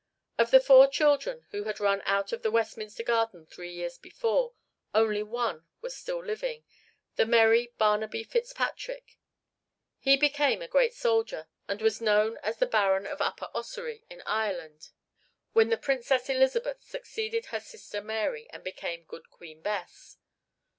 Of the four children who had run out of the Westminster garden three years before only one was still living, the merry Barnaby Fitzpatrick. He became a great soldier, and was known as the Baron of Upper Ossory in Ireland when the Princess Elizabeth succeeded her sister Mary and became "Good Queen Bess."